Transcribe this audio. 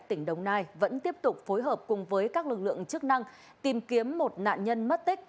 tỉnh đồng nai vẫn tiếp tục phối hợp cùng với các lực lượng chức năng tìm kiếm một nạn nhân mất tích